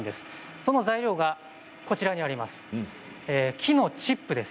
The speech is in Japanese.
その材料が、こちらにあります。